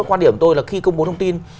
quan điểm tôi là khi công bố thông tin